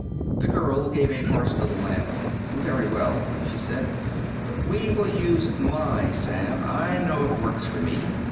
The girl gave a harsh little laugh. "Very well," she said, "but we will use my salve, I know it works for me."